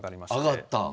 上がった。